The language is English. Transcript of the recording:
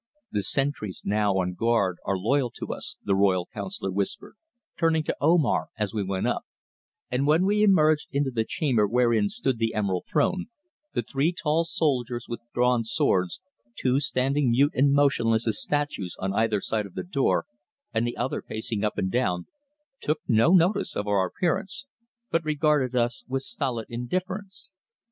"The sentries now on guard are loyal to us," the royal councillor whispered, turning to Omar as we went up, and when we emerged into the chamber wherein stood the Emerald Throne, the three tall soldiers with drawn swords, two standing mute and motionless as statues on either side of the door, and the other pacing up and down, took no notice of our appearance, but regarded us with stolid indifference.